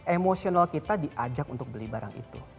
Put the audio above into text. emosional kita diajak untuk beli barang itu